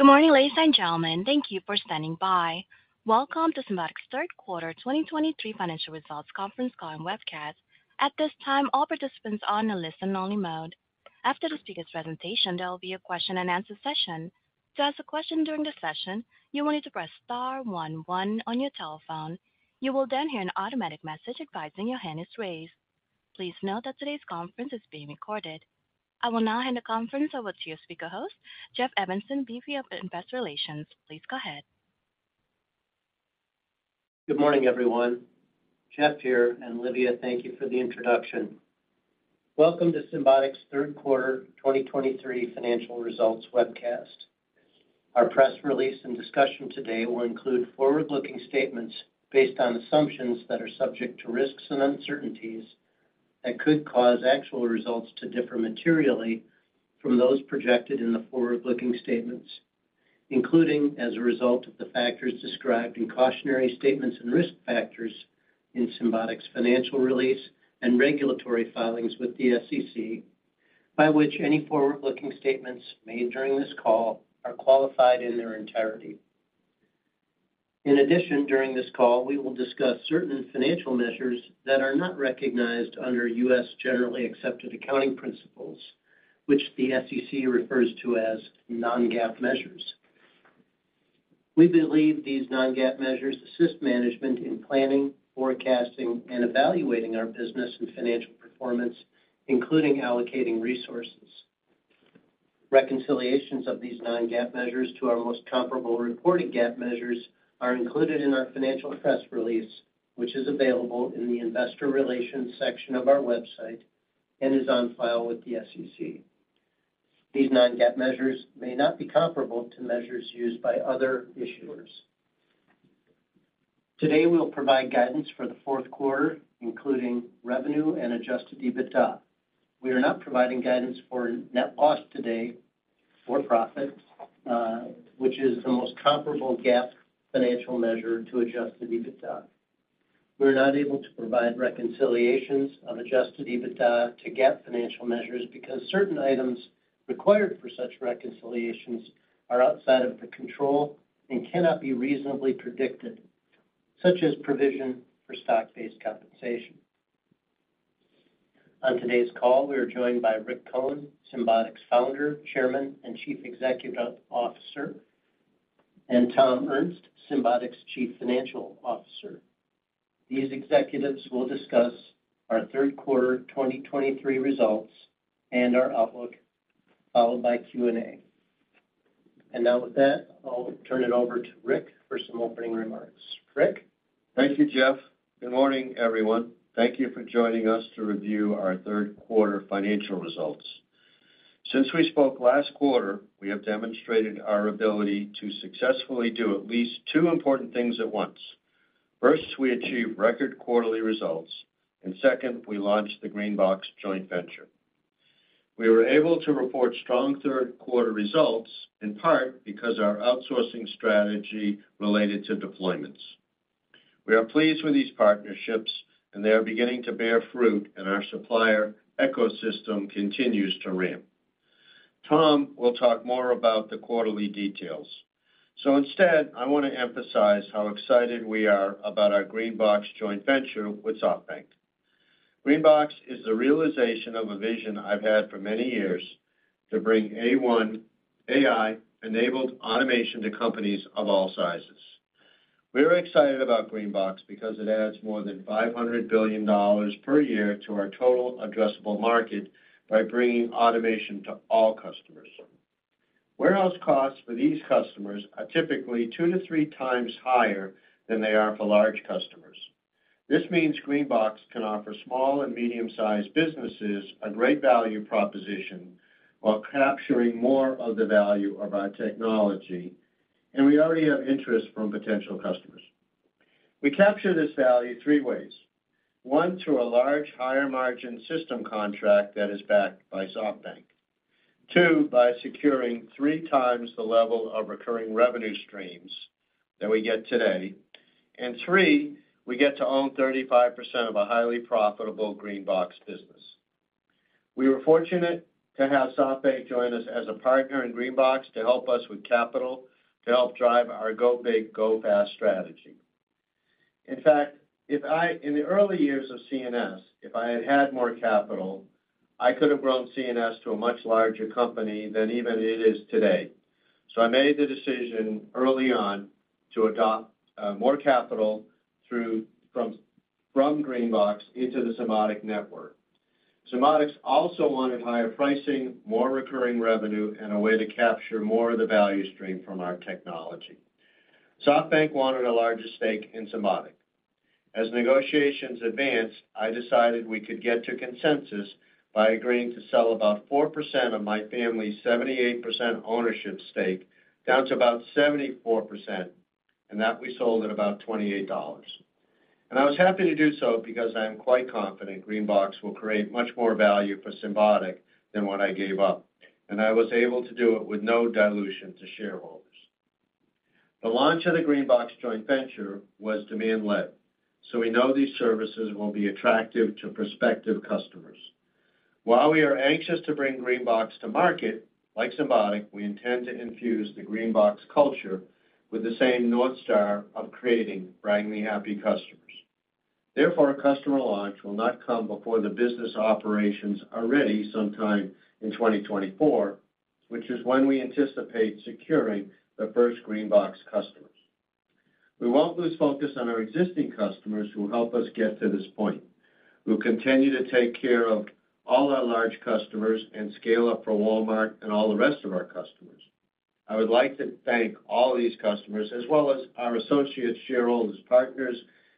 Good morning, ladies and gentlemen. Thank you for standing by. Welcome to Symbotic's Q3 2023 financial results conference call and webcast. At this time, all participants are on a listen only mode. After the speaker's presentation, there will be a question and answer session. To ask a question during the session, you will need to press star one one on your telephone. You will then hear an automatic message advising your hand is raised. Please note that today's conference is being recorded. I will now hand the conference over to your speaker host, Jeff Evanson, VP of Investor Relations. Please go ahead. Good morning, everyone. Jeff here. Livia, thank you for the introduction. Welcome to Symbotic's Q3 2023 financial results webcast. Our press release and discussion today will include forward-looking statements based on assumptions that are subject to risks and uncertainties that could cause actual results to differ materially from those projected in the forward-looking statements, including as a result of the factors described in cautionary statements and risk factors in Symbotic's financial release and regulatory filings with the SEC, by which any forward-looking statements made during this call are qualified in their entirety. In addition, during this call, we will discuss certain financial measures that are not recognized under U.S. generally accepted accounting principles, which the SEC refers to as non-GAAP measures. We believe these non-GAAP measures assist management in planning, forecasting, and evaluating our business and financial performance, including allocating resources. Reconciliations of these non-GAAP measures to our most comparable reported GAAP measures are included in our financial press release, which is available in the Investor Relations section of our website and is on file with the SEC. These non-GAAP measures may not be comparable to measures used by other issuers. Today, we'll provide guidance for the Q3, including revenue and adjusted EBITDA. We are not providing guidance for net loss today, for profit, which is the most comparable GAAP financial measure to adjusted EBITDA. We're not able to provide reconciliations of adjusted EBITDA to GAAP financial measures because certain items required for such reconciliations are outside of the control and cannot be reasonably predicted, such as provision for stock-based compensation. On today's call, we are joined by Rick Cohen, Symbotic's Founder, Chairman, and Chief Executive Officer, and Tom Ernst, Symbotic's Chief Financial Officer. These executives will discuss our Q3 2023 results and our outlook, followed by Q&A. Now with that, I'll turn it over to Rick for some opening remarks. Rick? Thank you, Jeff. Good morning, everyone. Thank you for joining us to review our Q3 financial results. Since we spoke last quarter, we have demonstrated our ability to successfully do at least two important things at once. First, we achieved record quarterly results. Second, we launched the GreenBox joint venture. We were able to report strong Q3 results, in part because of our outsourcing strategy related to deployments. We are pleased with these partnerships. They are beginning to bear fruit. Our supplier ecosystem continues to ramp. Tom will talk more about the quarterly details. Instead, I want to emphasize how excited we are about our GreenBox joint venture with SoftBank. GreenBox is the realization of a vision I've had for many years to bring AI-enabled automation to companies of all sizes. We are excited about GreenBox because it adds more than $500 billion per year to our total addressable market by bringing automation to all customers. Warehouse costs for these customers are typically 2x-3x higher than they are for large customers. This means GreenBox can offer small and medium-sized businesses a great value proposition while capturing more of the value of our technology, and we already have interest from potential customers. We capture this value three ways: 1, through a large, higher margin system contract that is backed by SoftBank; 2, by securing three times the level of recurring revenue streams that we get today; and 3, we get to own 35% of a highly profitable GreenBox business. We were fortunate to have SoftBank join us as a partner in GreenBox to help us with capital to help drive our Go Big Go Fast strategy. In fact, in the early years of C&S, if I had had more capital, I could have grown C&S to a much larger company than even it is today. I made the decision early on to adopt more capital through, from, from GreenBox into the Symbotic network. Symbotic also wanted higher pricing, more recurring revenue, and a way to capture more of the value stream from our technology. SoftBank wanted a larger stake in Symbotic. As negotiations advanced, I decided we could get to consensus by agreeing to sell about 4% of my family's 78% ownership stake down to about 74%, and that we sold at about $28. I was happy to do so because I am quite confident GreenBox will create much more value for Symbotic than what I gave up, and I was able to do it with no dilution to shareholders. The launch of the GreenBox joint venture was demand-led, so we know these services will be attractive to prospective customers. While we are anxious to bring GreenBox to market, like Symbotic, we intend to infuse the GreenBox culture with the same North Star of creating braggingly happy customers. Therefore, a customer launch will not come before the business operations are ready sometime in 2024, which is when we anticipate securing the first GreenBox customers. We won't lose focus on our existing customers who help us get to this point. We'll continue to take care of all our large customers and scale up for Walmart and all the rest of our customers. I would like to thank all these customers, as well as our associates, shareholders, partners,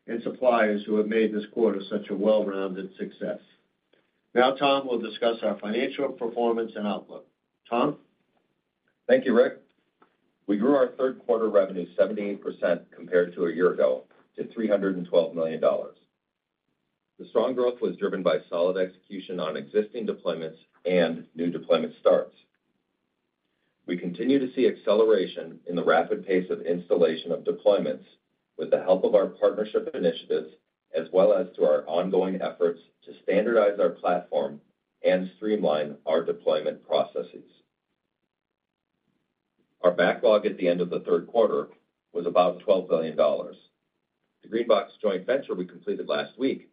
and suppliers who have made this quarter such a well-rounded success. Now, Tom will discuss our financial performance and outlook. Tom? Thank you, Rick. We grew our Q3 revenue 17% compared to a year ago, to $312 million. The strong growth was driven by solid execution on existing deployments and new deployment starts. We continue to see acceleration in the rapid pace of installation of deployments with the help of our partnership initiatives, as well as to our ongoing efforts to standardize our platform and streamline our deployment processes. Our backlog at the end of the Q3 was about $12 billion. The GreenBox joint venture we completed last week,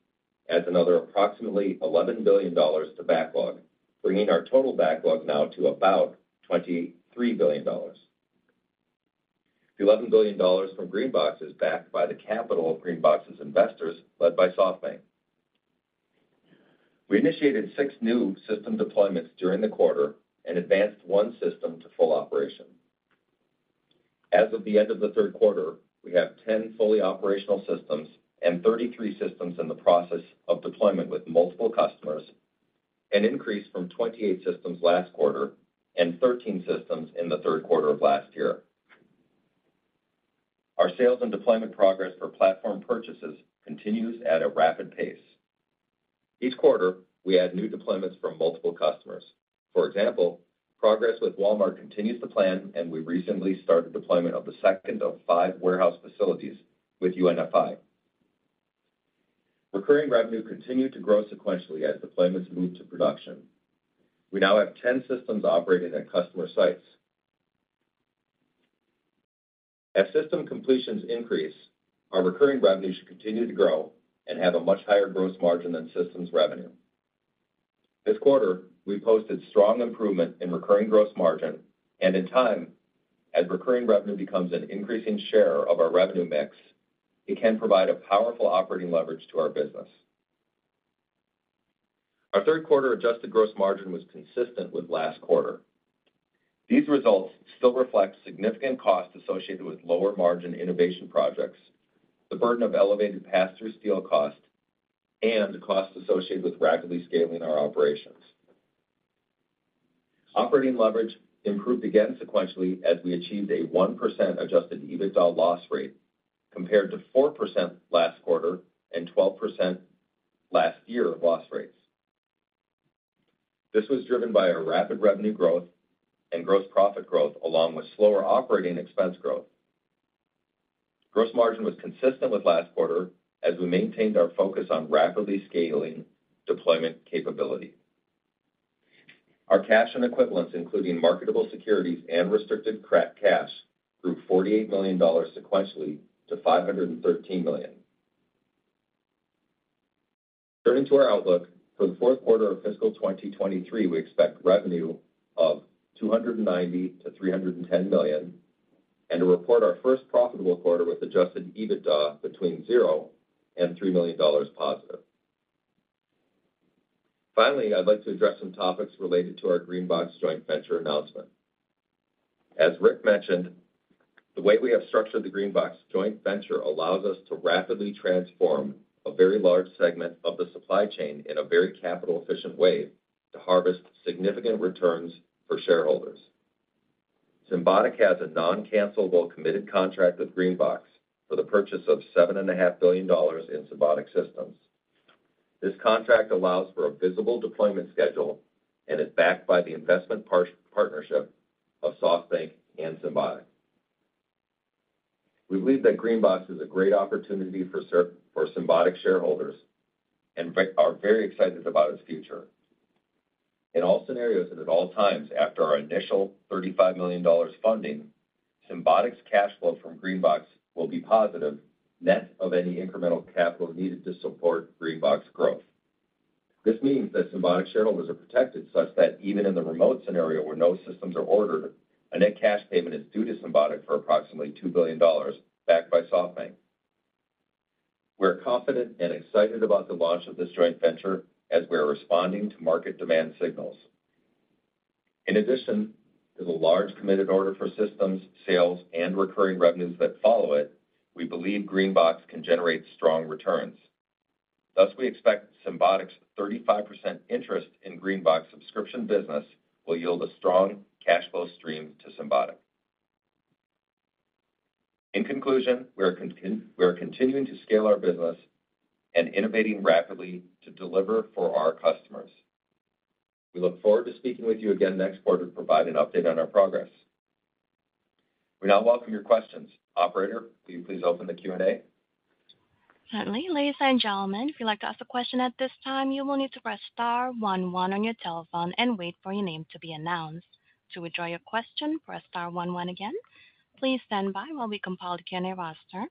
adds another approximately $11 billion to backlog, bringing our total backlog now to about $23 billion. The $11 billion from GreenBox is backed by the capital of GreenBox's investors, led by SoftBank. We initiated six new system deployments during the quarter and advanced one system to full operation. As of the end of the Q3, we have 10 fully operational systems and 33 systems in the process of deployment with multiple customers, an increase from 28 systems last quarter and 13 systems in the Q3 of last year. Our sales and deployment progress for platform purchases continues at a rapid pace. Each quarter, we add new deployments from multiple customers. For example, progress with Walmart continues to plan, and we recently started deployment of the second of five warehouse facilities with UNFI. Recurring revenue continued to grow sequentially as deployments moved to production. We now have 10 systems operating at customer sites. As system completions increase, our recurring revenue should continue to grow and have a much higher gross margin than systems revenue. This quarter, we posted strong improvement in recurring gross margin, and in time, as recurring revenue becomes an increasing share of our revenue mix, it can provide a powerful operating leverage to our business. Our Q3 adjusted gross margin was consistent with last quarter. These results still reflect significant costs associated with lower-margin innovation projects, the burden of elevated pass-through steel costs, and the costs associated with rapidly scaling our operations. Operating leverage improved again sequentially, as we achieved a 1% adjusted EBITDA loss rate, compared to 4% last quarter and 12% last year loss rates. This was driven by a rapid revenue growth and gross profit growth, along with slower operating expense growth. Gross margin was consistent with last quarter as we maintained our focus on rapidly scaling deployment capability. Our cash and equivalents, including marketable securities and restricted cash, grew $48 million sequentially to $513 million. Turning to our outlook, for the Q3 of fiscal 2023, we expect revenue of $290 million to $310 million, and to report our first profitable quarter with adjusted EBITDA between $0 and $3 million positive. Finally, I'd like to address some topics related to our GreenBox joint venture announcement. As Rick mentioned, the way we have structured the GreenBox joint venture allows us to rapidly transform a very large segment of the supply chain in a very capital-efficient way to harvest significant returns for shareholders. Symbotic has a non-cancellable, committed contract with GreenBox for the purchase of $7.5 billion in Symbotic systems. This contract allows for a visible deployment schedule and is backed by the investment partnership of SoftBank and Symbotic. We believe that GreenBox is a great opportunity for Symbotic shareholders, and Rick are very excited about its future. In all scenarios and at all times, after our initial $35 million funding, Symbotic's cash flow from GreenBox will be positive, net of any incremental capital needed to support GreenBox growth. This means that Symbotic shareholders are protected such that even in the remote scenario where no systems are ordered, a net cash payment is due to Symbotic for approximately $2 billion, backed by SoftBank. We're confident and excited about the launch of this joint venture as we are responding to market demand signals. In addition to the large committed order for systems, sales, and recurring revenues that follow it, we believe GreenBox can generate strong returns. Thus, we expect Symbotic's 35% interest in GreenBox subscription business will yield a strong cash flow stream to Symbotic. In conclusion, we are continuing to scale our business and innovating rapidly to deliver for our customers. We look forward to speaking with you again next quarter to provide an update on our progress. We now welcome your questions. Operator, will you please open the Q&A? Certainly. Ladies and gentlemen, if you'd like to ask a question at this time, you will need to press star one, one on your telephone and wait for your name to be announced. To withdraw your question, press star one, one again. Please stand by while we compile the Q&A roster.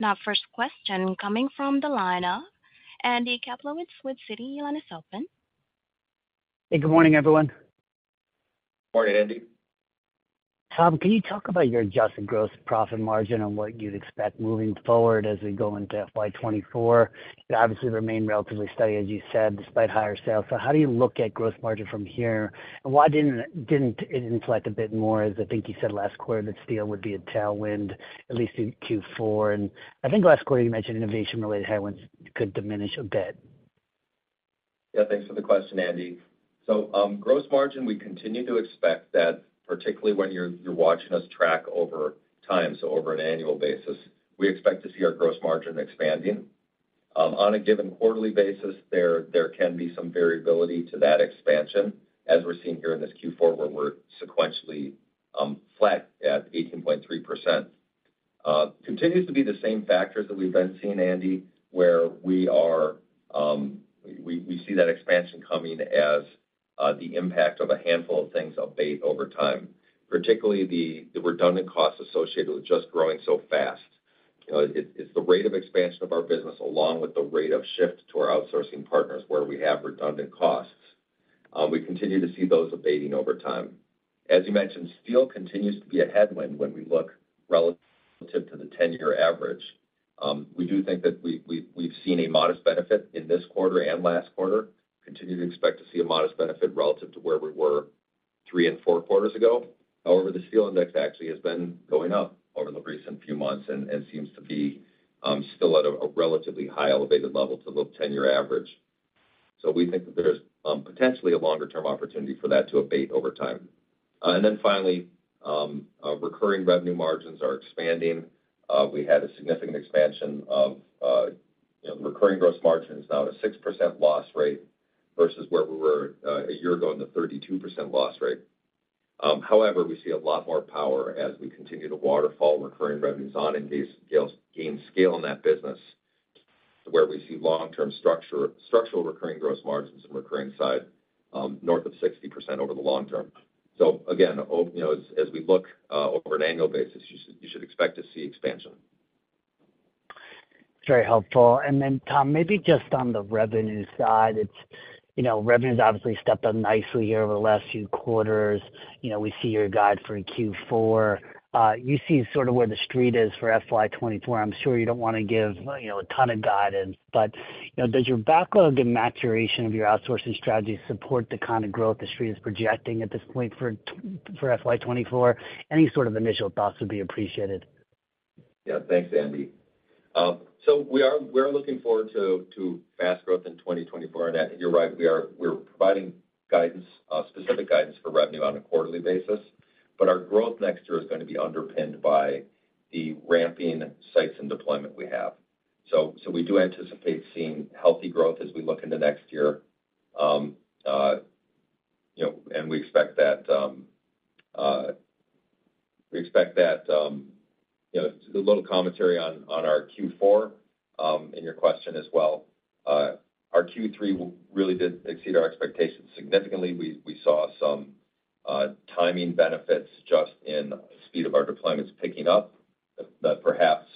Now, first question coming from the line of Andy Kaplowitz with Citi. Your line is open. Hey, good morning, everyone. Morning, Andy. Tom, can you talk about your adjusted gross profit margin and what you'd expect moving forward as we go into FY 2024? It obviously remained relatively steady, as you said, despite higher sales. How do you look at gross margin from here, and why didn't, didn't it inflate a bit more, as I think you said last quarter, that steel would be a tailwind, at least in Q4? I think last quarter, you mentioned innovation-related headwinds could diminish a bit. Yeah, thanks for the question, Andy. Gross margin, we continue to expect that, particularly when you're, you're watching us track over time, so over an annual basis, we expect to see our gross margin expanding. On a given quarterly basis, there, there can be some variability to that expansion, as we're seeing here in this Q4, where we're sequentially, flat at 18.3%. Continues to be the same factors that we've been seeing, Andy, where we are, we, we see that expansion coming as the impact of a handful of things abate over time, particularly the, the redundant costs associated with just growing so fast. You know, it, it's the rate of expansion of our business, along with the rate of shift to our outsourcing partners where we have redundant costs. We continue to see those abating over time. As you mentioned, steel continues to be a headwind when we look relative to the ten-year average. We do think that we, we've, we've seen a modest benefit in this quarter and last quarter. Continue to expect to see a modest benefit relative to where we were Q3 and Q4 ago. However, the steel index actually has been going up over the recent few months and seems to be still at a relatively high elevated level to the 10-year average. We think that there's potentially a longer-term opportunity for that to abate over time. Finally, our recurring revenue margins are expanding. We had a significant expansion of, you know, recurring gross margins, now at a 6% loss rate versus where we were a year ago in the 32% loss rate. However, we see a lot more power as we continue to waterfall recurring revenues on and gain scale, gain scale in that business, where we see long-term structure, structural recurring gross margins and recurring side, north of 60% over the long term. Again, you know, as, as we look over an annual basis, you should, you should expect to see expansion. Very helpful. Then, Tom, maybe just on the revenue side. It's, you know, revenue's obviously stepped up nicely here over the last few quarters. You know, we see your guide for Q4. You see sort of where the street is for FY 2024. I'm sure you don't want to give, you know, a ton of guidance, but, you know, does your backlog and maturation of your outsourcing strategy support the kind of growth the street is projecting at this point for FY 2024? Any sort of initial thoughts would be appreciated. Yeah. Thanks, Andy. We are looking forward to fast growth in 2024. I think you're right, we're providing guidance, specific guidance for revenue on a quarterly basis. Our growth next year is going to be underpinned by the ramping sites and deployment we have. We do anticipate seeing healthy growth as we look into next year. You know, we expect that. You know. A little commentary on our Q4 in your question as well. Our Q3 really did exceed our expectations. Significantly, we saw some timing benefits just in the speed of our deployments picking up. That perhaps,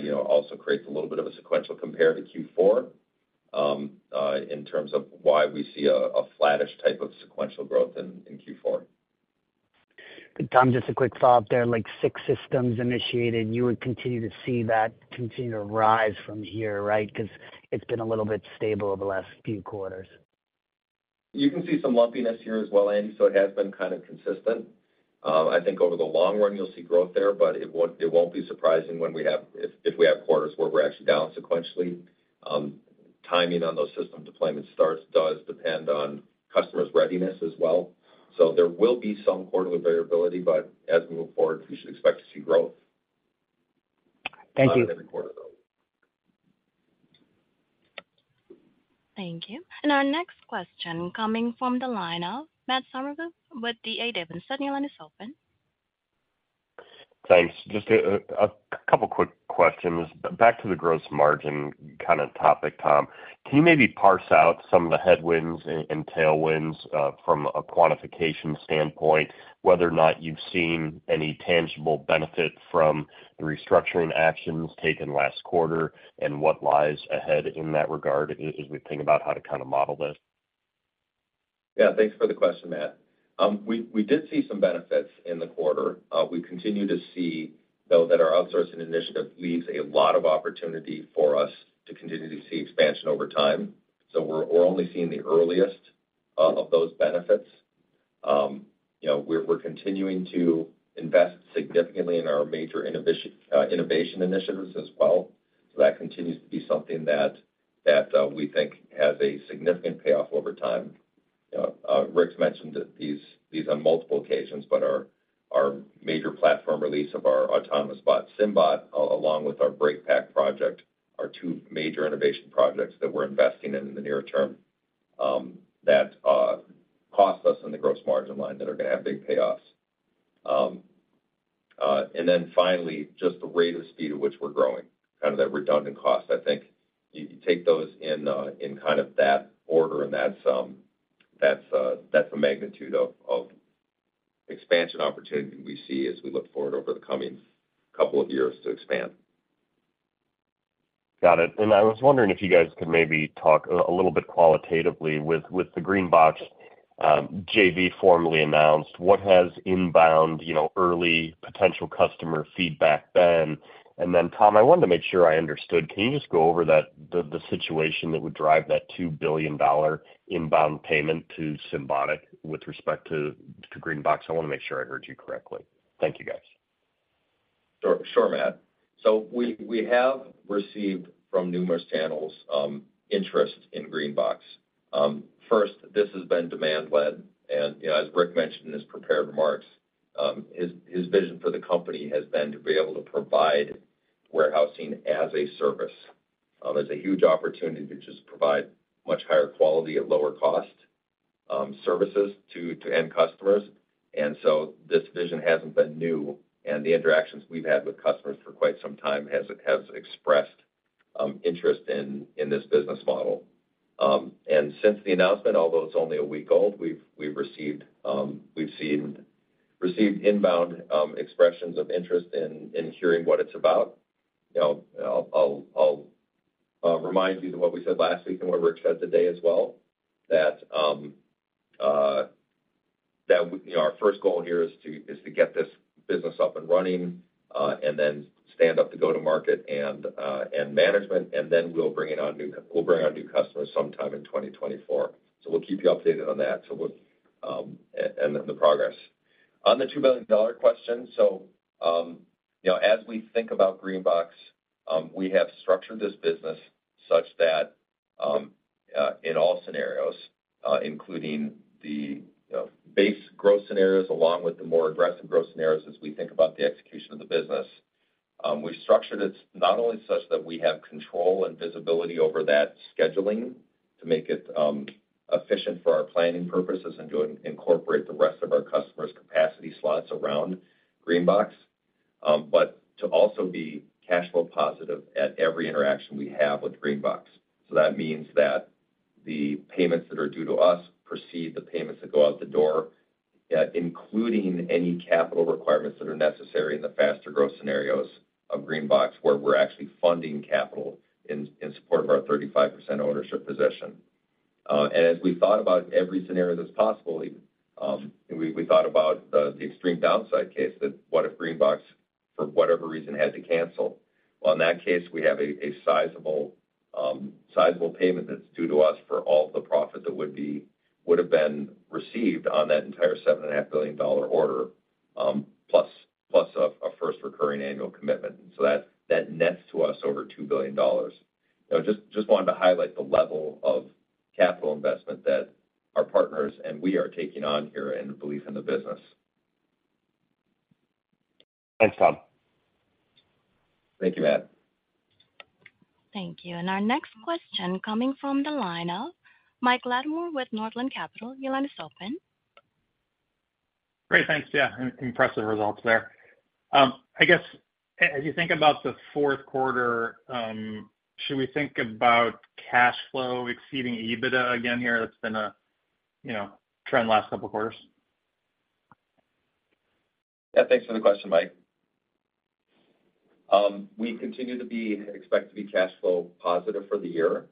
you know, also creates a little bit of a sequential compare to Q3, in terms of why we see a, a flattish type of sequential growth in, in Q3. Tom, just a quick follow-up there, like six systems initiated, you would continue to see that continue to rise from here, right? Because it's been a little bit stable over the last few quarters. You can see some lumpiness here as well, Andy. It has been kind of consistent. I think over the long run you'll see growth there, but it won't, it won't be surprising when we have if, if we have quarters where we're actually down sequentially. Timing on those system deployment starts does depend on customers' readiness as well. There will be some quarterly variability, but as we move forward, you should expect to see growth. Thank you. Not every quarter, though. Thank you. Our next question coming from the line of Matt Summerville with D.A. Davidson. Sir, your line is open. Thanks. Just a couple quick questions. Back to the gross margin kind of topic, Tom, can you maybe parse out some of the headwinds and tailwinds from a quantification standpoint? Whether or not you've seen any tangible benefit from the restructuring actions taken last quarter, and what lies ahead in that regard, as we think about how to kind of model this? Yeah, thanks for the question, Matt. We, we did see some benefits in the quarter. We continue to see, though, that our outsourcing initiative leaves a lot of opportunity for us to continue to see expansion over time. We're, we're only seeing the earliest of those benefits. You know, we're, we're continuing to invest significantly in our major innovation initiatives as well. That continues to be something that, that we think has a significant payoff over time. Rick's mentioned these, these on multiple occasions, but our, our major platform release of our autonomous bot, SymBot, along with our BreakPack project, are two major innovation projects that we're investing in, in the near term, that cost less in the gross margin line that are gonna have big payoffs. Finally, just the rate of speed at which we're growing, kind of, that redundant cost. I think you take those in, in kind of that order, and that's, that's, that's the magnitude of, of expansion opportunity we see as we look forward over the coming couple of years to expand. Got it. And I was wondering if you guys could maybe talk a little bit qualitatively with the GreenBox JV formally announced, what has inbound, you know, early potential customer feedback been? And then, Tom, I wanted to make sure I understood. Can you just go over that, the situation that would drive that $2 billion inbound payment to Symbotic with respect to GreenBox? I want to make sure I heard you correctly. Thank you, guys. Sure, sure, Matt. We, we have received from numerous channels, interest in GreenBox. First, this has been demand-led, and, you know, as Rick mentioned in his prepared remarks, his, his vision for the company has been to be able to provide warehousing as a service. There's a huge opportunity to just provide much higher quality at lower cost, services to, to end customers. This vision hasn't been new, and the interactions we've had with customers for quite some time has, has expressed interest in, in this business model. Since the announcement, although it's only a week old, we've, we've received inbound expressions of interest in, in hearing what it's about. You know, I'll, remind you to what we said last week and what Rick said today as well, that, you know, our first goal here is to, is to get this business up and running, and then stand up to go to market and, and management, and then we'll bring on new customers sometime in 2024. We'll keep you updated on that. We'll, and, and the progress. On the $2 billion question, you know, as we think about GreenBox, we have structured this business such that, in all scenarios, including the, you know, base growth scenarios, along with the more aggressive growth scenarios as we think about the execution of the business. We've structured it not only such that we have control and visibility over that scheduling to make it efficient for our planning purposes and to incorporate the rest of our customers' capacity slots around GreenBox, but to also be cash flow positive at every interaction we have with GreenBox. That means that the payments that are due to us precede the payments that go out the door, including any capital requirements that are necessary in the faster growth scenarios of GreenBox, where we're actually funding capital in support of our 35% ownership position. As we thought about every scenario that's possible, we thought about the extreme downside case, that what if GreenBox, for whatever reason, had to cancel? Well, in that case, we have a sizable, sizable payment that's due to us for all the profit that would have been received on that entire $7.5 billion order, plus, plus a first recurring annual commitment. That, that nets to us over $2 billion. You know, just, just wanted to highlight the level of capital investment that our partners and we are taking on here and belief in the business. Thanks, Tom. Thank you, Matt. Thank you. Our next question coming from the line of Mike Latimore with Northland Capital. Your line is open. Great, thanks. Yeah, impressive results there. I guess, as you think about the Q3, should we think about cash flow exceeding EBITDA again here? That's been a, you know, trend last couple quarters. Yeah, thanks for the question, Mike. We continue to be, expect to be cash flow positive for the year,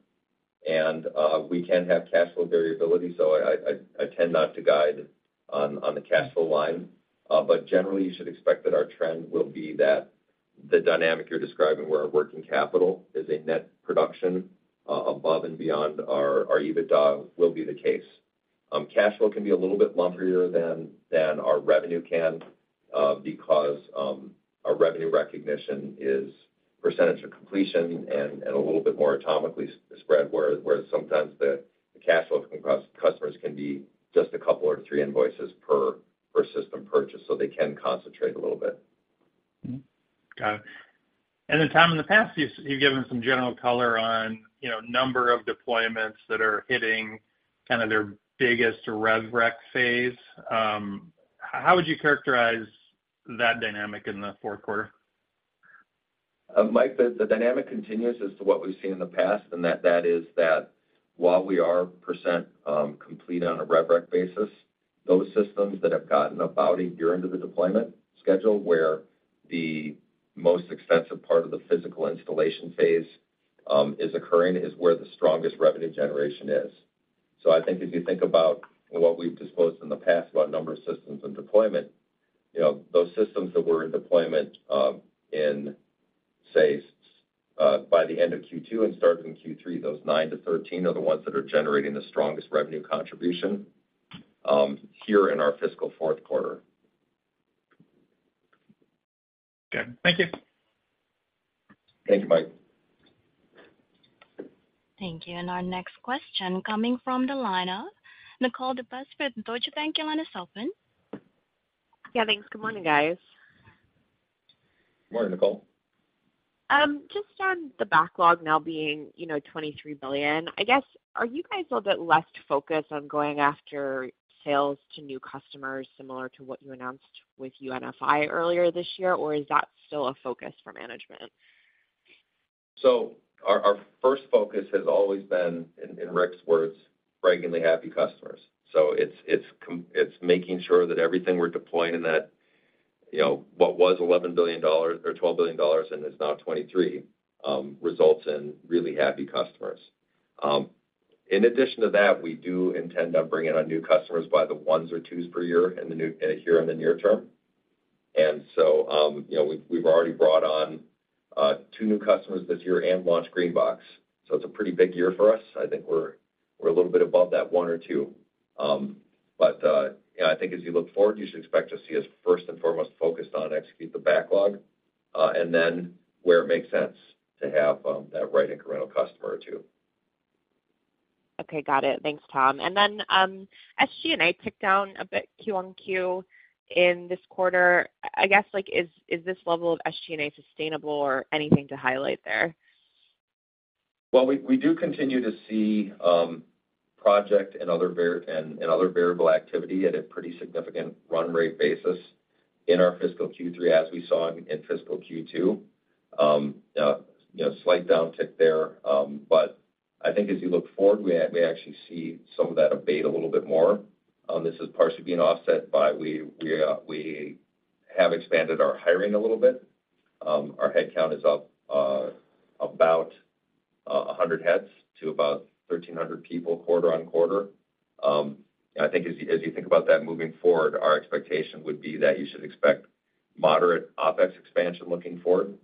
and we can have cash flow variability, so I, I, I tend not to guide on, on the cash flow line. Generally, you should expect that our trend will be that the dynamic you're describing, where our working capital is a net production, above and beyond our, our EBITDA will be the case. Cash flow can be a little bit lumpier than, than our revenue can, because our revenue recognition is percentage of completion and a little bit more atomically spread, where sometimes the cash flow from customers can be just a couple or three invoices per, per system purchase, so they can concentrate a little bit. Got it. Then, Tom, in the past, you've, you've given some general color on, you know, number of deployments that are hitting kind of their biggest revenue recognition phase. How would you characterize that dynamic in the Q3? Mike, the dynamic continues as to what we've seen in the past, and that, that is that while we are percent complete on a revenue recognition basis, those systems that have gotten about one year into the deployment schedule, where the most expensive part of the physical installation phase is occurring, is where the strongest revenue generation is. I think if you think about what we've disclosed in the past about number of systems and deployment, you know, those systems that were in deployment in, say, by the end of Q2 and starting Q3, those 9-13 are the ones that are generating the strongest revenue contribution here in our fiscal Q4. Good. Thank you. Thank you, Mike. Thank you. Our next question coming from the line of Nicole DeBlase with Deutsche Bank. Your line is open. Yeah, thanks. Good morning, guys. Morning, Nicole. Just on the backlog now being, you know, $23 billion, I guess, are you guys a little bit less focused on going after sales to new customers, similar to what you announced with UNFI earlier this year, or is that still a focus for management? Our first focus has always been, in, in Rick's words, ragingly happy customers. It's, it's making sure that everything we're deploying in that, you know, what was $11 billion or $12 billion and is now 23, results in really happy customers. In addition to that, we do intend on bringing on new customers by the ones or twos per year here in the near term. You know, we've, we've already brought on two new customers this year and launched GreenBox. It's a pretty big year for us. I think we're, we're a little bit above that one or two. You know, I think as you look forward, you should expect to see us first and foremost focused on execute the backlog, and then where it makes sense to have, that right incremental customer or two. Okay, got it. Thanks, Tom. SG&A ticked down a bit Q-on-Q in this quarter. I guess, like, is, is this level of SG&A sustainable or anything to highlight there? Well, we, we do continue to see, project and other and, and other variable activity at a pretty significant run rate basis in our fiscal Q3, as we saw in, in fiscal Q2. You know, slight down tick there, but I think as you look forward, we actually see some of that abate a little bit more. This is partially being offset by we, we, we have expanded our hiring a little bit. Our headcount is up, about, 100 heads to about 1,300 people quarter-on-quarter. I think as you, as you think about that moving forward, our expectation would be that you should expect moderate OpEx expansion looking forward,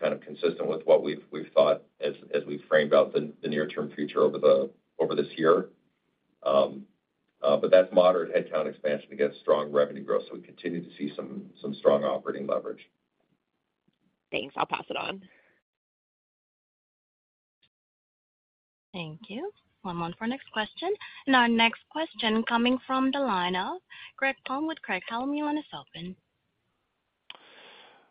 kind of consistent with what we've, we've thought as, as we framed out the, the near-term future over this year. That's moderate headcount expansion against strong revenue growth, so we continue to see some, some strong operating leverage. Thanks. I'll pass it on. Thank you. One moment for our next question. Our next question coming from the line of Greg Palm with Craig-Hallum, your line is open.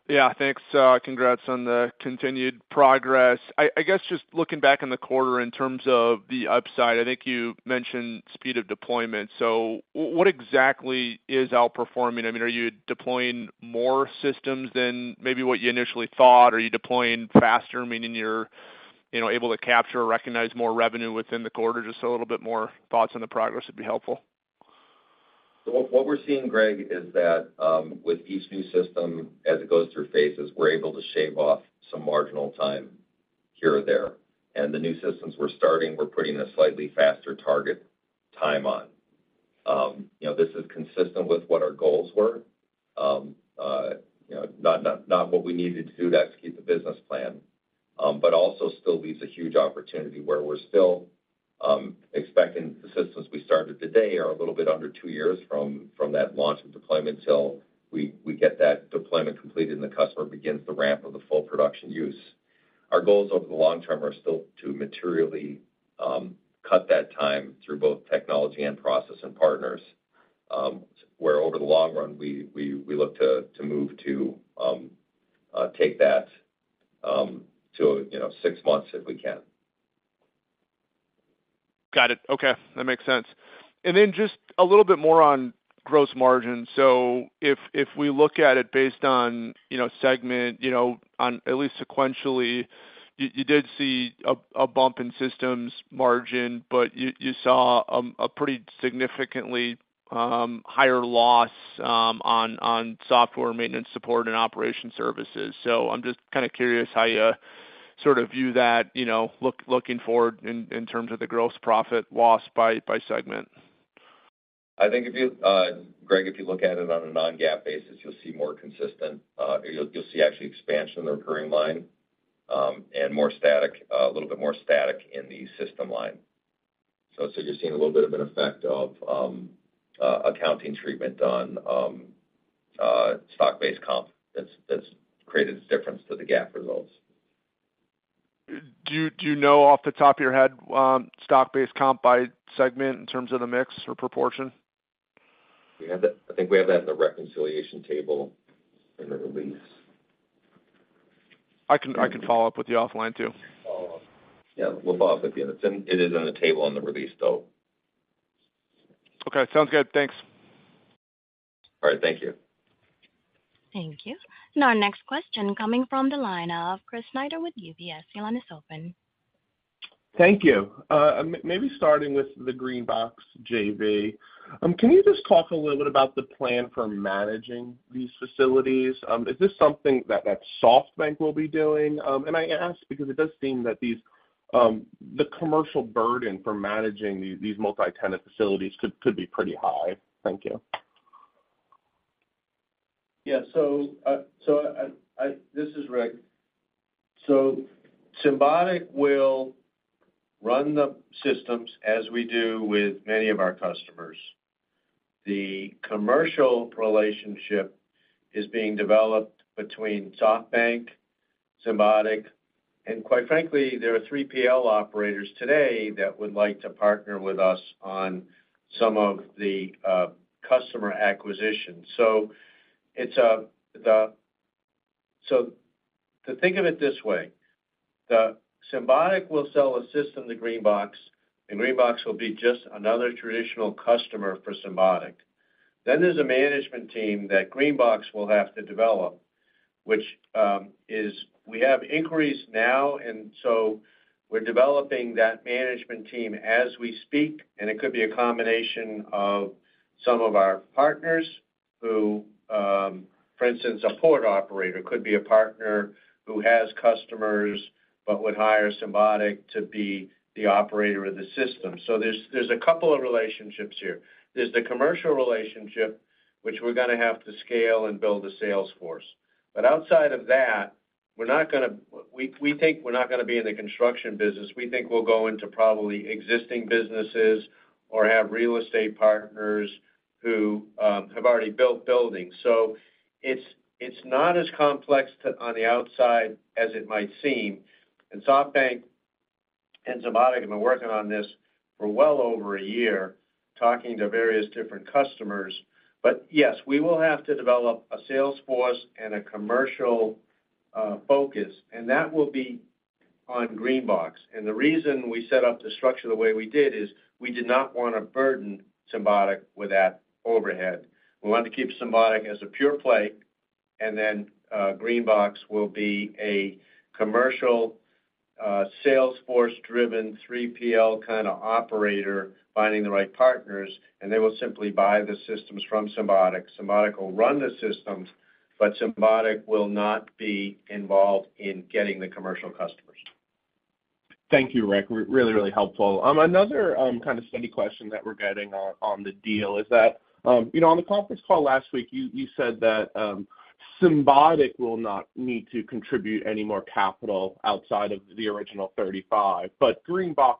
Yeah, thanks. Congrats on the continued progress. I, I guess, just looking back on the quarter in terms of the upside, I think you mentioned speed of deployment. What exactly is outperforming? I mean, are you deploying more systems than maybe what you initially thought, or are you deploying faster, meaning you're, you know, able to capture or recognize more revenue within the quarter? Just a little bit more thoughts on the progress would be helpful. What, what we're seeing, Greg, is that with each new system, as it goes through phases, we're able to shave off some marginal time here or there. The new systems we're starting, we're putting a slightly faster target time on. You know, this is consistent with what our goals were, you know, not, not, not what we needed to do to execute the business plan. Also still leaves a huge opportunity where we're still expecting the systems we started today are a little bit under 2 years from, from that launch and deployment till we, we get that deployment completed, and the customer begins the ramp of the full production use. Our goals over the long term are still to materially, cut that time through both technology and process and partners, where over the long run, we, we, we look to, to move to, take that, to, you know, 6 months if we can. Got it. Okay, that makes sense. Just a little bit more on gross margin. If, if we look at it based on, you know, segment, you know, on at least sequentially, you, you did see a, a bump in systems margin, but you, you saw, a pretty significantly, higher loss, on, on software maintenance, support, and operation services. I'm just kind of curious how you sort of view that, you know, looking forward in, in terms of the gross profit loss by, by segment. I think if you, Greg, if you look at it on a non-GAAP basis, you'll see more consistent. You'll see actually expansion in the recurring line, and more static, a little bit more static in the system line. You're seeing a little bit of an effect of accounting treatment on stock-based compensation that's created a difference to the GAAP results. Do you, do you know off the top of your head, stock-based compensation by segment in terms of the mix or proportion? I think we have that in the reconciliation table in the release. I can, I can follow up with you offline, too. Follow up. Yeah, we'll follow up with you. It's in, it is on the table in the release, though. Okay. Sounds good. Thanks. All right. Thank you. Thank you. Our next question coming from the line of Chris Snyder with UBS. Your line is open. Thank you. Maybe starting with the GreenBox JV, can you just talk a little bit about the plan for managing these facilities? Is this something that, that SoftBank will be doing? I ask because it does seem that these, the commercial burden for managing these, these multi-tenant facilities could, could be pretty high. Thank you. Yeah. This is Rick. Symbotic will run the systems as we do with many of our customers. The commercial relationship is being developed between SoftBank, Symbotic, and quite frankly, there are 3PL operators today that would like to partner with us on some of the customer acquisition. It's, so to think of it this way, Symbotic will sell a system to GreenBox, and GreenBox will be just another traditional customer for Symbotic. There's a management team that GreenBox will have to develop, which is we have inquiries now, and so we're developing that management team as we speak, and it could be a combination of some of our partners who, for instance, a port operator. Could be a partner who has customers, but would hire Symbotic to be the operator of the system. There's, there's a couple of relationships here. There's the commercial relationship, which we're gonna have to scale and build a sales force. Outside of that, we think we're not gonna be in the construction business. We think we'll go into probably existing businesses or have real estate partners who have already built buildings. It's not as complex on the outside as it might seem. SoftBank and Symbotic have been working on this for well over 1 year, talking to various different customers. Yes, we will have to develop a sales force and a commercial focus, and that will be on GreenBox. The reason we set up the structure the way we did is, we did not want to burden Symbotic with that overhead. We wanted to keep Symbotic as a pure play, and then GreenBox will be a commercial, sales force-driven, 3PL kind of operator, finding the right partners, and they will simply buy the systems from Symbotic. Symbotic will run the systems, but Symbotic will not be involved in getting the commercial customers. Thank you, Rick. Really, really helpful. Another, kind of similar question that we're getting on, on the deal is that, you know, on the conference call last week, you, you said that, Symbotic will not need to contribute any more capital outside of the original $35, but GreenBox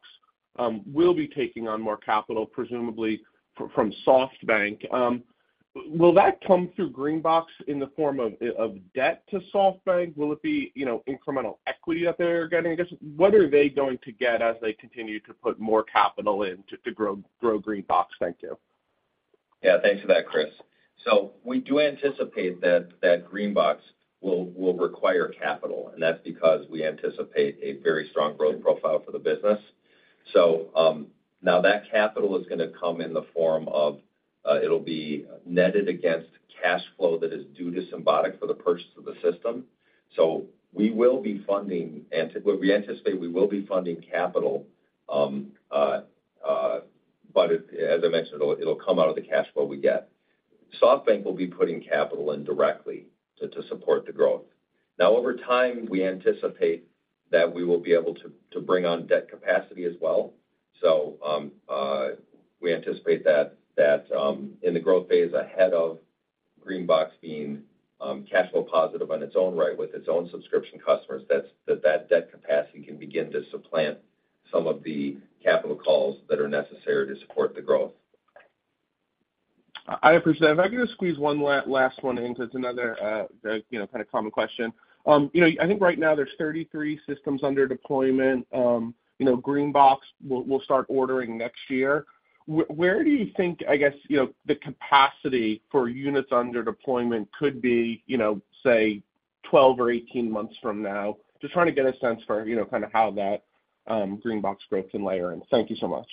will be taking on more capital, presumably from SoftBank. Will that come through GreenBox in the form of debt to SoftBank? Will it be, you know, incremental equity that they're getting, I guess? What are they going to get as they continue to put more capital in to, to grow, grow GreenBox? Thank you. Yeah, thanks for that, Chris. We do anticipate that, that GreenBox will, will require capital, and that's because we anticipate a very strong growth profile for the business. Now that capital is gonna come in the form of, it'll be netted against cash flow that is due to Symbotic for the purchase of the system. We will be funding and we anticipate we will be funding capital, but as I mentioned, it'll, it'll come out of the cash flow we get. SoftBank will be putting capital in directly to, to support the growth. Over time, we anticipate that we will be able to, to bring on debt capacity as well. We anticipate that, that, in the growth phase, ahead of GreenBox being cash flow positive on its own right, with its own subscription customers, that's, that, that debt capacity can begin to supplant some of the capital calls that are necessary to support the growth. I appreciate it. If I could just squeeze one last one in, because it's another, you know, kind of common question. You know, I think right now there's 33 systems under deployment. You know, GreenBox will, will start ordering next year. Where do you think, I guess, you know, the capacity for units under deployment could be, you know, say, 12 or 18 months from now? Just trying to get a sense for, you know, kind of how that GreenBox growth can layer in. Thank you so much.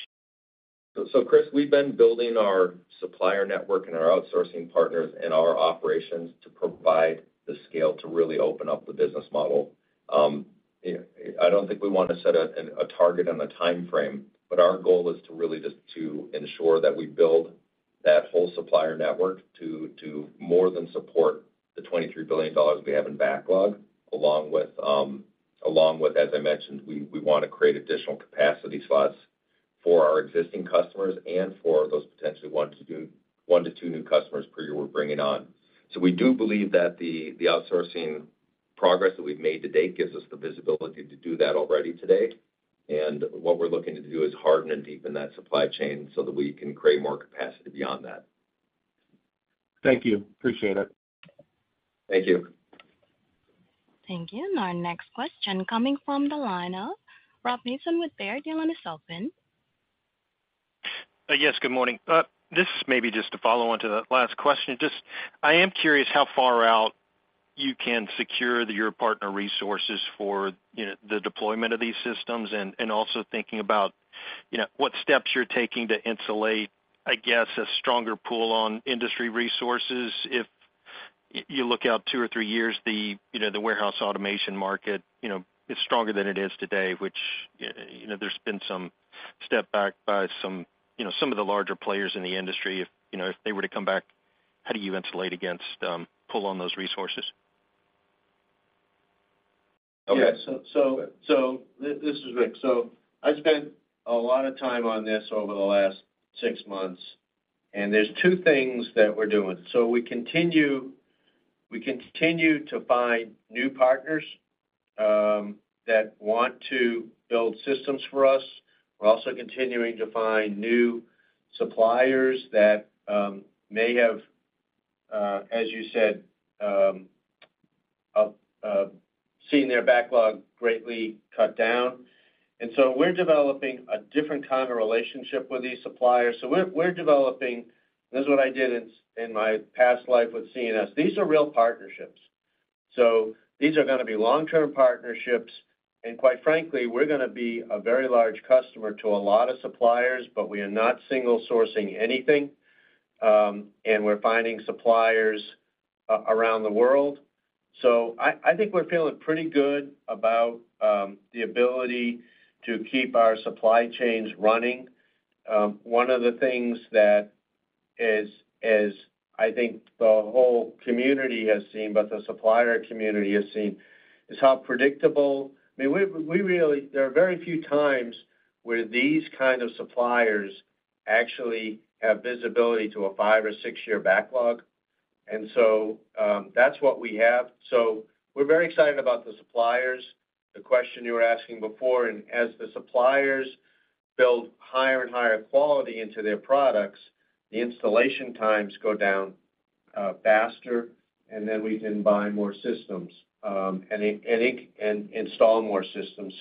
Chris, we've been building our supplier network and our outsourcing partners and our operations to provide the scale to really open up the business model. I don't think we want to set a, an, a target and a timeframe, but our goal is to really just to ensure that we build that whole supplier network to, to more than support the $23 billion we have in backlog, along with, along with, as I mentioned, we, we want to create additional capacity slots for our existing customers and for those potentially 1-2 new customers per year we're bringing on. We do believe that the, the outsourcing progress that we've made to date gives us the visibility to do that already today. What we're looking to do is harden and deepen that supply chain so that we can create more capacity beyond that. Thank you. Appreciate it. Thank you. Thank you. Our next question coming from the line of Rob Mason with Baird. Your line is open. Yes, good morning. This is maybe just to follow on to that last question. Just, I am curious how far out you can secure your partner resources for, you know, the deployment of these systems, and also thinking about, you know, what steps you're taking to insulate, I guess, a stronger pull on industry resources. If you look out 2 or 3 years, the, you know, the warehouse automation market, you know, is stronger than it is today, which, you know, there's been some step back by some, you know, some of the larger players in the industry. If, you know, if they were to come back, how do you insulate against pull on those resources? Okay. Yes. This is Rick. I spent a lot of time on this over the last 6 months, and there's two things that we're doing. We continue to- We continue to find new partners that want to build systems for us. We're also continuing to find new suppliers that may have, as you said, seen their backlog greatly cut down. We're developing a different kind of relationship with these suppliers. We're, we're developing-- this is what I did in, in my past life with C&S. These are real partnerships, so these are going to be long-term partnerships, and quite frankly, we're going to be a very large customer to a lot of suppliers, but we are not single-sourcing anything, and we're finding suppliers around the world. I, I think we're feeling pretty good about the ability to keep our supply chains running. One of the things that is, I think the whole community has seen, but the supplier community has seen, is how predictable. I mean, we, we really, there are very few times where these kind of suppliers actually have visibility to a 5 year or 6-year backlog, and so, that's what we have. We're very excited about the suppliers. The question you were asking before, and as the suppliers build higher and higher quality into their products, the installation times go down faster, and then we can buy more systems and install more systems.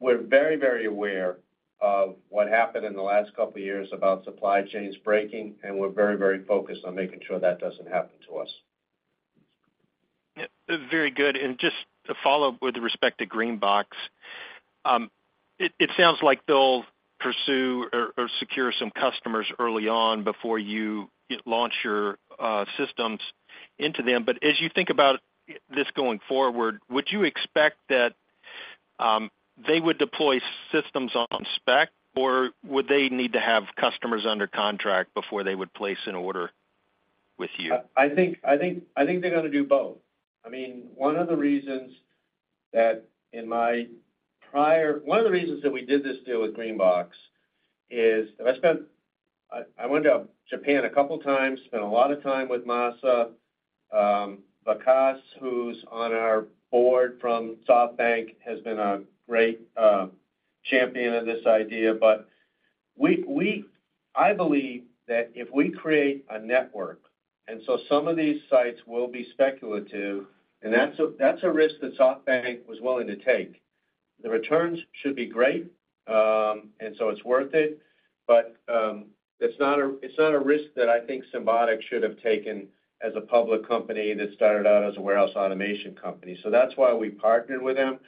We're very, very aware of what happened in the last couple of years about supply chains breaking, and we're very, very focused on making sure that doesn't happen to us. Very good. Just to follow up with respect to GreenBox, it, it sounds like they'll pursue or, or secure some customers early on before you launch your systems into them. As you think about this going forward, would you expect that they would deploy systems on spec, or would they need to have customers under contract before they would place an order with you? I think, I think, I think they're going to do both. I mean, one of the reasons that in my prior-- one of the reasons that we did this deal with GreenBox is, and I spent. I went to Japan a couple of times, spent a lot of time with Masa. Vikas, who's on our board from SoftBank, has been a great champion of this idea. We, we- I believe that if we create a network, and so some of these sites will be speculative, and that's a, that's a risk that SoftBank was willing to take. The returns should be great, and so it's worth it, but it's not a, it's not a risk that I think Symbotic should have taken as a public company that started out as a warehouse automation company. That's why we partnered with them.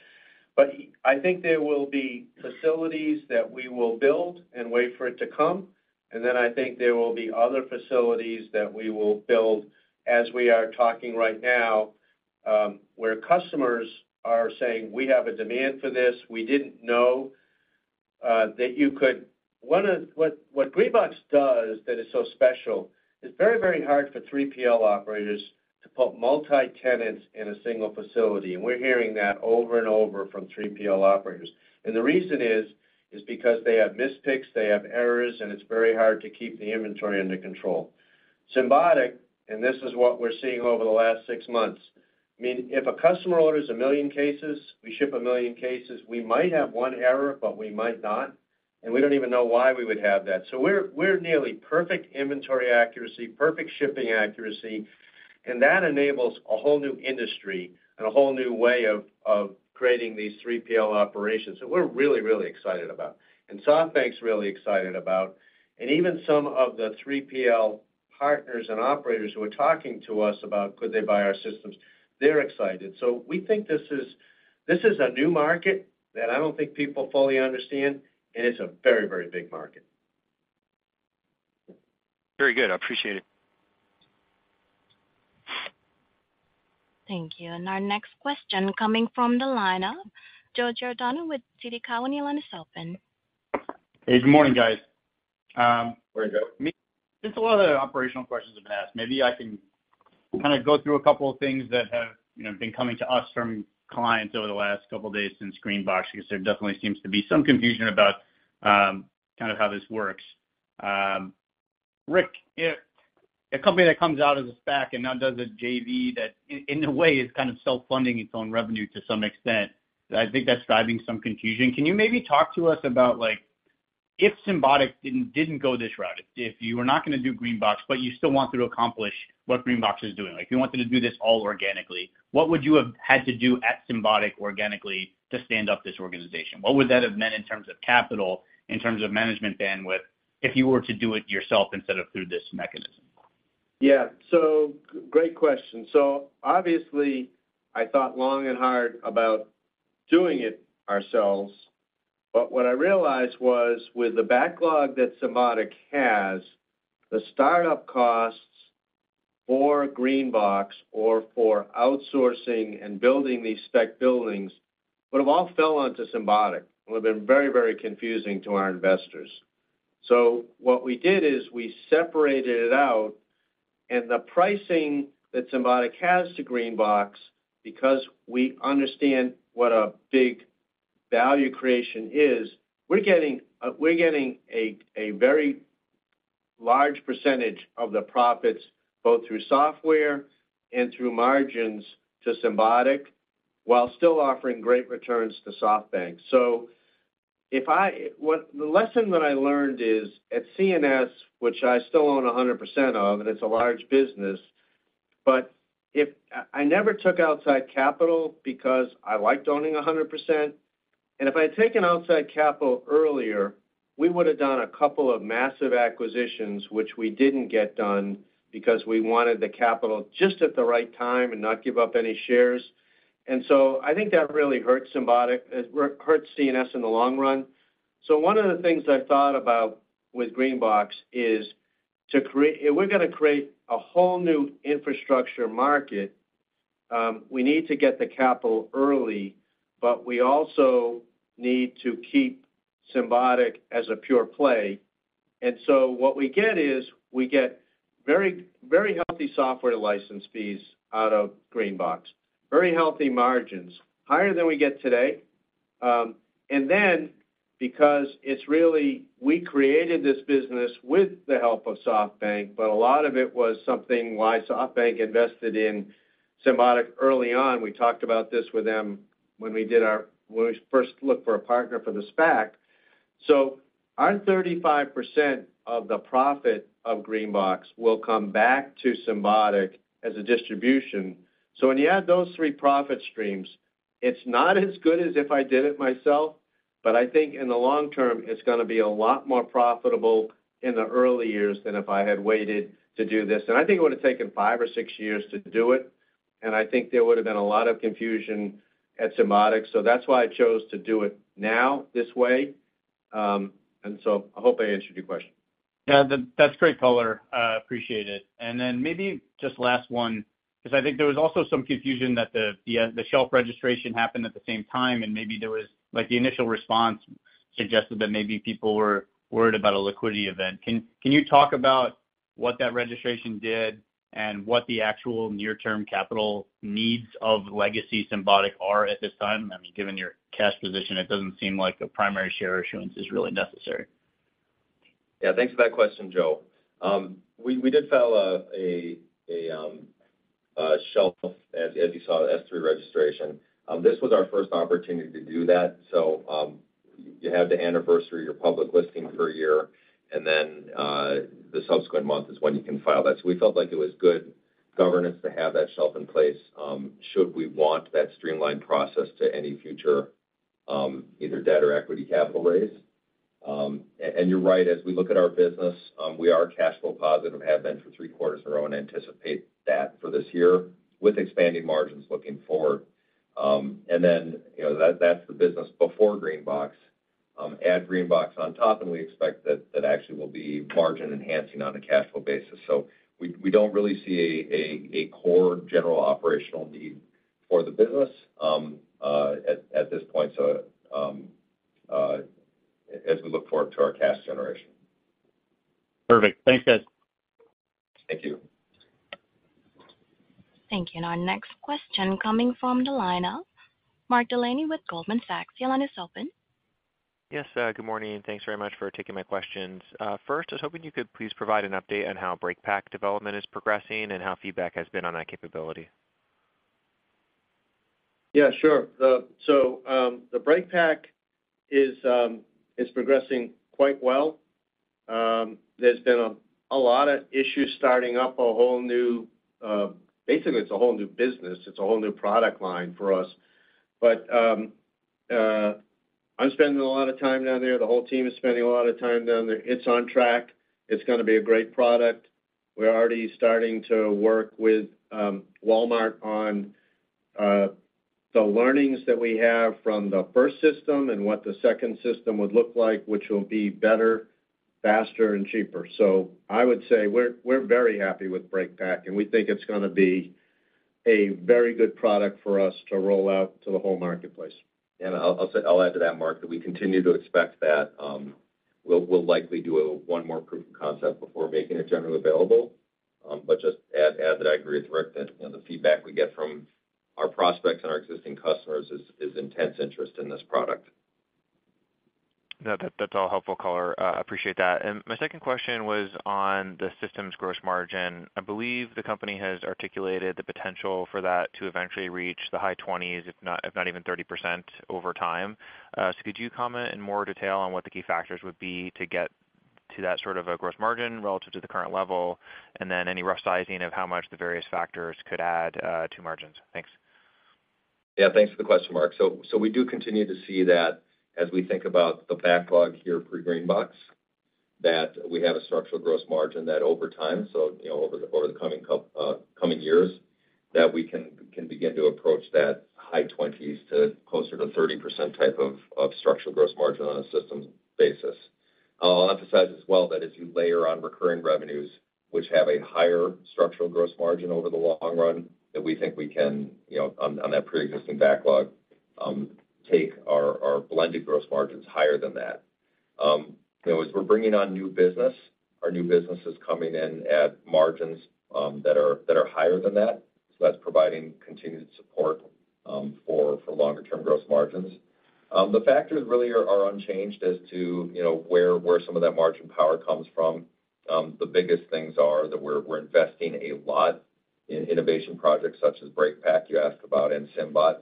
I think there will be facilities that we will build and wait for it to come, and then I think there will be other facilities that we will build as we are talking right now, where customers are saying, We have a demand for this. We didn't know that you could, what, what GreenBox does that is so special, it's very, very hard for 3PL operators to put multi-tenants in a single facility, and we're hearing that over and over from 3PL operators. The reason is, is because they have mispicks, they have errors, and it's very hard to keep the inventory under control. Symbotic, and this is what we're seeing over the last six months, I mean, if a customer orders 1 million cases, we ship 1 million cases. We might have one error, but we might not, and we don't even know why we would have that. We're nearly perfect inventory accuracy, perfect shipping accuracy, and that enables a whole new industry and a whole new way of creating these 3PL operations. We're really, really excited about, and SoftBank's really excited about, and even some of the 3PL partners and operators who are talking to us about could they buy our systems, they're excited. We think this is a new market that I don't think people fully understand, and it's a very, very big market. Very good. I appreciate it. Thank you. Our next question coming from the line of Joe Giordano with TD Cowen. Your line is open. Hey, good morning, guys. Morning, Joe. Just a lot of the operational questions have been asked. Maybe I can kind of go through a couple of things that have, you know, been coming to us from clients over the last couple of days since GreenBox, because there definitely seems to be some confusion about, kind of how this works. Rick, if a company that comes out as a SPAC and now does a JV, that in a way is kind of self-funding its own revenue to some extent, I think that's driving some confusion. Can you maybe talk to us about, like, if Symbotic didn't go this route, if, if you were not going to do GreenBox, but you still wanted to accomplish what GreenBox is doing, like, you wanted to do this all organically, what would you have had to do at Symbotic organically to stand up this organization? What would that have meant in terms of capital, in terms of management bandwidth, if you were to do it yourself instead of through this mechanism? Yeah. Great question. Obviously, I thought long and hard about doing it ourselves, but what I realized was, with the backlog that Symbotic has, the start-up costs for GreenBox or for outsourcing and building these spec buildings, would have all fell onto Symbotic. Would have been very, very confusing to our investors. What we did is we separated it out, and the pricing that Symbotic has to GreenBox, because we understand what a big value creation is, we're getting a very large percentage of the profits, both through software and through margins to Symbotic, while still offering great returns to SoftBank. The lesson that I learned is, at C&S, which I still own 100% of, and it's a large business, I never took outside capital because I liked owning 100%. If I had taken outside capital earlier, we would have done a couple of massive acquisitions, which we didn't get done because we wanted the capital just at the right time and not give up any shares. I think that really hurt Symbotic, it hurt C&S in the long run. One of the things I thought about with GreenBox is to create- if we're gonna create a whole new infrastructure market, we need to get the capital early, but we also need to keep Symbotic as a pure play. What we get is, we get very, very healthy software license fees out of GreenBox, very healthy margins, higher than we get today. Then, because it's really, we created this business with the help of SoftBank, but a lot of it was something why SoftBank invested in Symbotic early on. We talked about this with them when we did when we first looked for a partner for the SPAC. Our 35% of the profit of GreenBox will come back to Symbotic as a distribution. When you add those 3 profit streams, it's not as good as if I did it myself, but I think in the long term, it's gonna be a lot more profitable in the early years than if I had waited to do this. I think it would have taken 5 years or 6 years to do it, and I think there would have been a lot of confusion at Symbotic. That's why I chose to do it now, this way. I hope I answered your question. Yeah, that, that's great color. I appreciate it. Then maybe just last one, because I think there was also some confusion that the shelf registration happened at the same time, and maybe there was, like, the initial response suggested that maybe people were worried about a liquidity event. Can, can you talk about what that registration did and what the actual near-term capital needs of legacy Symbotic are at this time? I mean, given your cash position, it doesn't seem like a primary share issuance is really necessary. Yeah, thanks for that question, Joe. We, we did file a shelf, as you saw, S-3 registration. This was our first opportunity to do that. You have the anniversary of your public listing for a year, and then the subsequent month is when you can file that. We felt like it was good governance to have that shelf in place, should we want that streamlined process to any future either debt or equity capital raise. And you're right, as we look at our business, we are cash flow positive, have been for 3 quarters in a row and anticipate that for this year with expanding margins looking forward. Then, you know, that, that's the business before GreenBox. Add GreenBox on top, we expect that that actually will be margin-enhancing on a cash flow basis. We don't really see a core general operational need for the business at this point, as we look forward to our cash generation. Perfect. Thanks, guys. Thank you. Thank you. Our next question coming from the line of Mark Delaney with Goldman Sachs. Your line is open. Yes, good morning, thanks very much for taking my questions. First, I was hoping you could please provide an update on how BreakPack development is progressing and how feedback has been on that capability. Yeah, sure. The BreakPack is progressing quite well. There's been a lot of issues starting up, a whole new, basically, it's a whole new business. It's a whole new product line for us. I'm spending a lot of time down there. The whole team is spending a lot of time down there. It's on track. It's gonna be a great product. We're already starting to work with Walmart on the learnings that we have from the first system and what the second system would look like, which will be better, faster, and cheaper. I would say we're, we're very happy with BreakPack, and we think it's gonna be a very good product for us to roll out to the whole marketplace. I'll add to that, Mark, that we continue to expect that we'll likely do one more proof of concept before making it generally available. Just add that I agree with Rick that, you know, the feedback we get from our prospects and our existing customers is intense interest in this product. No, that, that's all helpful color. appreciate that. My second question was on the system's gross margin. I believe the company has articulated the potential for that to eventually reach the high 20s, if not, if not even 30% over time. Could you comment in more detail on what the key factors would be to get to that sort of a gross margin relative to the current level, and then any rough sizing of how much the various factors could add, to margins? Thanks. Yeah, thanks for the question, Mark. So we do continue to see that as we think about the backlog here for GreenBox, that we have a structural gross margin, that over time, you know, over the, over the coming years, that we can, we can begin to approach that high 20s to closer to 30% type of, of structural gross margin on a systems basis. I'll emphasize as well, that as you layer on recurring revenues, which have a higher structural gross margin over the long run, that we think we can, you know, on, on that preexisting backlog, take our, our blended gross margins higher than that. You know, as we're bringing on new business, our new business is coming in at margins, that are, that are higher than that. That's providing continued support for, for longer term gross margins. The factors really are, are unchanged as to, you know, where, where some of that margin power comes from. The biggest things are that we're, we're investing a lot in innovation projects such as BreakPack, you asked about, and SymBot.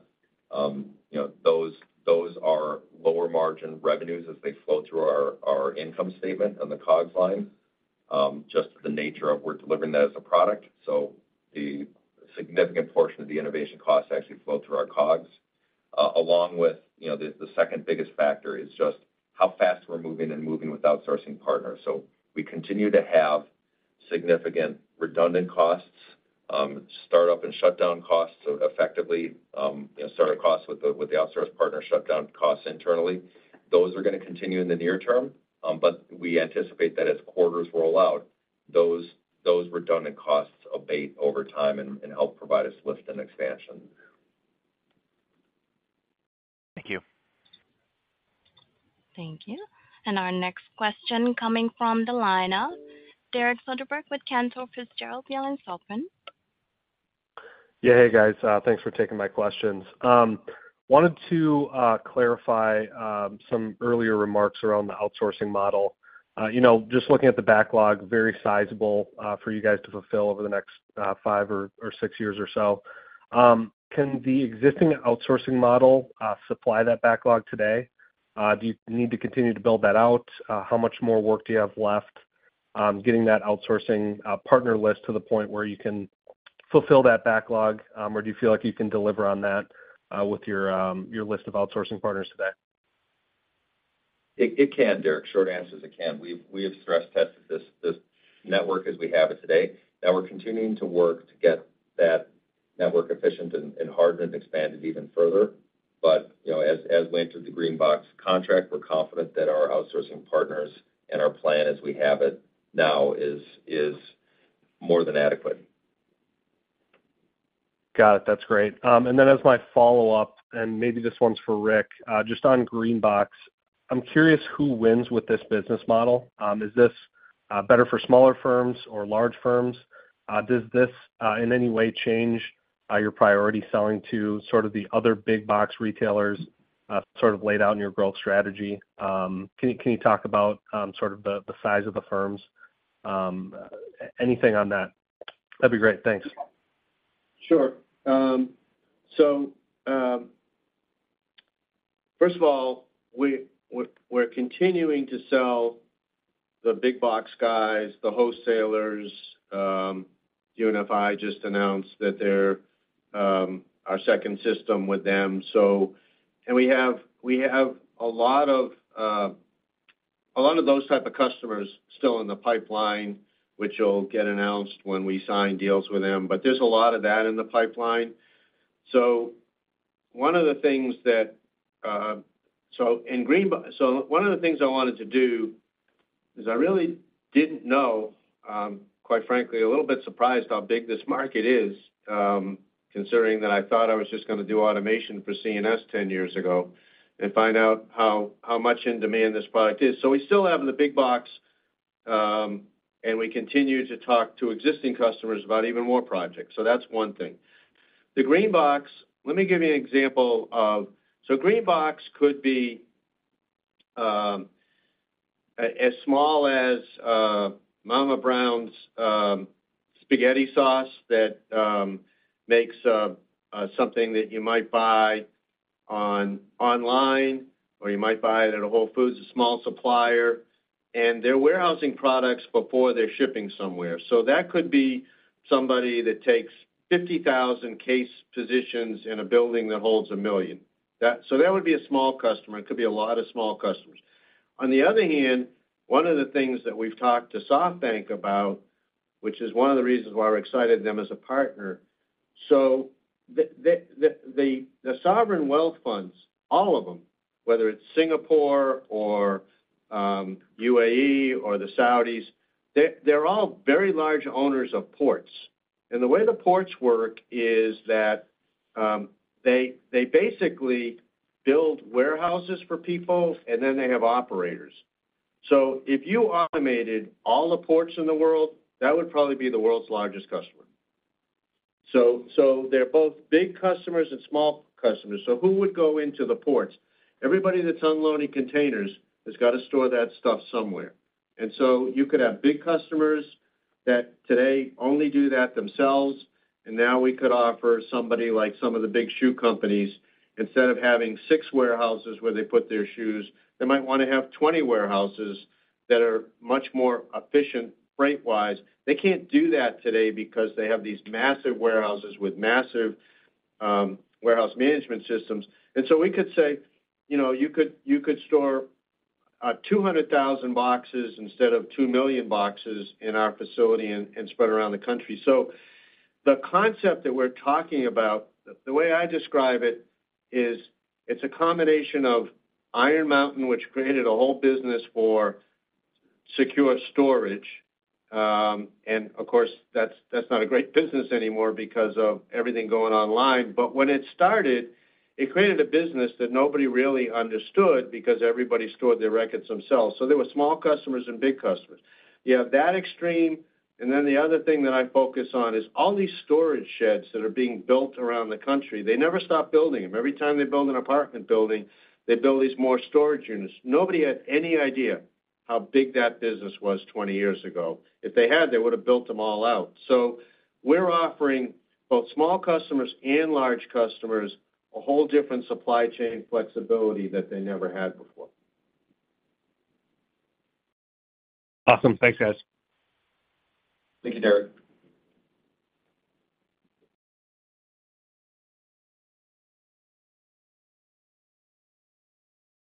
You know, those, those are lower margin revenues as they flow through our, our income statement on the COGS line. Just the nature of we're delivering that as a product, so the significant portion of the innovation costs actually flow through our COGS. Along with, you know, the, the second biggest factor is just how fast we're moving and moving with outsourcing partners. We continue to have significant redundant costs, start-up and shutdown costs. Effectively, you know, start costs with the, with the outsource partner, shutdown costs internally. Those are gonna continue in the near term, we anticipate that as quarters roll out, those, those redundant costs abate over time and, and help provide us lift and expansion. Thank you. Thank you. Our next question coming from the line of Derek Soderberg with Cantor Fitzgerald. Yeah. Hey, guys, thanks for taking my questions. Wanted to clarify some earlier remarks around the outsourcing model. You know, just looking at the backlog, very sizable, for you guys to fulfill over the next 5 years or 6 years or so. Can the existing outsourcing model supply that backlog today? Do you need to continue to build that out? How much more work do you have left getting that outsourcing partner list to the point where you can fulfill that backlog, or do you feel like you can deliver on that with your list of outsourcing partners today? It, it can, Derek. Short answer is it can. We've, we have stress tested this, this network as we have it today. Now, we're continuing to work to get that network efficient and, and hardened, expanded even further. You know, as, as we entered the GreenBox contract, we're confident that our outsourcing partners and our plan as we have it now is, is more than adequate. Got it. That's great. Then as my follow-up, and maybe this one's for Rick, just on GreenBox, I'm curious who wins with this business model. Is this better for smaller firms or large firms? Does this in any way change your priority selling to sort of the other big box retailers, sort of laid out in your growth strategy? Can you, can you talk about sort of the, the size of the firms? Anything on that? That'd be great. Thanks. Sure. First of all, we, we're, we're continuing to sell the big box guys, the wholesalers. UNFI just announced that they're our second system with them. And we have, we have a lot of, a lot of those type of customers still in the pipeline, which will get announced when we sign deals with them. There's a lot of that in the pipeline. One of the things that in GreenBox, one of the things I wanted to do is I really didn't know, quite frankly, a little bit surprised how big this market is, considering that I thought I was just gonna do automation for C&S 10 years ago and find out how, how much in demand this product is. We still have the big box, and we continue to talk to existing customers about even more projects. That's one thing. The GreenBox, let me give you an example of- so GreenBox could be as small as Mama Braun's Spaghetti Sauce that makes something that you might buy on online, or you might buy it at a Whole Foods, a small supplier, and they're warehousing products before they're shipping somewhere. That could be somebody that takes 50,000 case positions in a building that holds 1 million. That would be a small customer. It could be a lot of small customers. On the other hand, one of the things that we've talked to SoftBank about, which is one of the reasons why we're excited them as a partner, the sovereign wealth funds, all of them, whether it's Singapore or UAE or the Saudis, they're all very large owners of ports. The way the ports work is that, they basically build warehouses for people, and then they have operators. If you automated all the ports in the world, that would probably be the world's largest customer. They're both big customers and small customers. Who would go into the ports? Everybody that's unloading containers has got to store that stuff somewhere. You could have big customers that today only do that themselves, and now we could offer somebody, like some of the big shoe companies, instead of having 6 warehouses where they put their shoes, they might want to have 20 warehouses that are much more efficient freight-wise. They can't do that today because they have these massive warehouses with massive warehouse management systems. We could say, you know, you could, you could store 200,000 boxes instead of 2 million boxes in our facility and spread around the country. The concept that we're talking about, the way I describe it is it's a combination of Iron Mountain, which created a whole business for secure storage. Of course, that's not a great business anymore because of everything going online. When it started, it created a business that nobody really understood because everybody stored their records themselves. There were small customers and big customers. You have that extreme, and then the other thing that I focus on is all these storage sheds that are being built around the country, they never stop building them. Every time they build an apartment building, they build these more storage units. Nobody had any idea how big that business was 20 years ago. If they had, they would have built them all out. We're offering both small customers and large customers, a whole different supply chain flexibility that they never had before. Awesome. Thanks, guys. Thank you, Derek.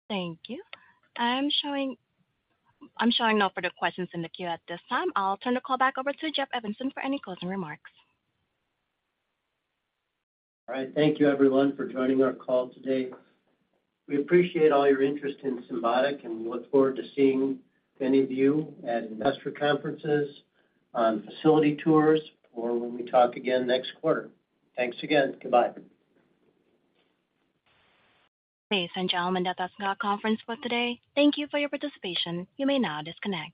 Thank you. I'm showing, I'm showing no further questions in the queue at this time. I'll turn the call back over to Jeff Evanson for any closing remarks. All right. Thank you, everyone, for joining our call today. We appreciate all your interest in Symbotic, and we look forward to seeing many of you at investor conferences, on facility tours, or when we talk again next quarter. Thanks again. Goodbye. Ladies and gentlemen, that's ends our conference for today. Thank you for your participation. You may now disconnect.